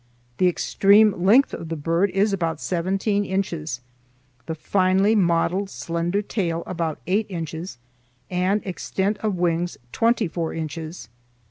The extreme length of the bird is about seventeen inches; the finely modeled slender tail about eight inches, and extent of wings twenty four inches.